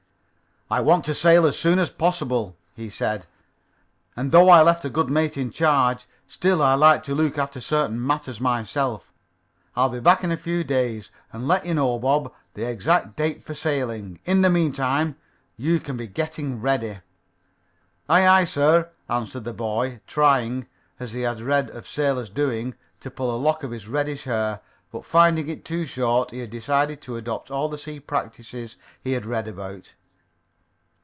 "I want to sail as soon as possible," he said, "and though I left a good mate in charge, still I like to look after certain matters myself. I'll be back in a few days and let you know, Bob, the exact date for sailing. In the meanwhile you can be getting ready." "Aye, aye, sir," answered the boy, trying, as he had read of sailors doing, to pull a lock of his reddish hair, but finding it too short. He had decided to adopt all the sea practices he had ever read about.